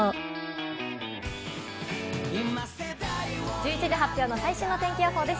１１時発表の最新の天気予報です。